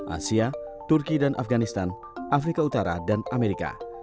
asia turki dan afganistan afrika utara dan amerika